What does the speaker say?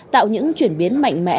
tạo những chuyển biến mạnh mẽ